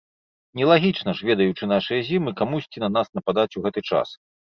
Нелагічна ж, ведаючы нашыя зімы, камусьці на нас нападаць у гэты час!